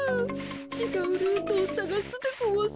ちがうルートをさがすでごわす。